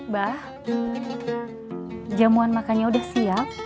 bah jamuan makannya udah siap